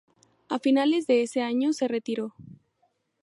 A finales de ese año se retiró.